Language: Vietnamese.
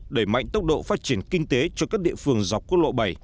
đẩy mạnh tốc độ phát triển kinh tế cho các địa phương dọc quốc lộ bảy